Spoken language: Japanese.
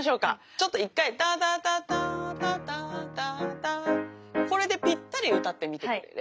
ちょっと１回タタタタタタタタこれでぴったり歌ってみてくれる？